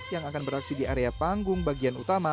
yang akan beraksi di area panggung bagian utama